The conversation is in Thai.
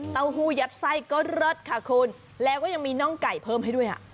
หูยัดไส้ก็เลิศค่ะคุณแล้วก็ยังมีน่องไก่เพิ่มให้ด้วยอ่ะ